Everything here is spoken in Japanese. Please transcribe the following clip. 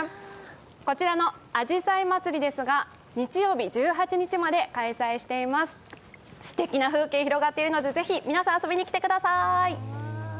こちらのあじさいまつりですが日曜日１８日まで開催しています、すてきな風景広がっているので、是非皆さん皆さん、遊びにきてください。